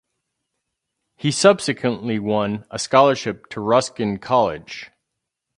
He subsequently won a scholarship to Ruskin College.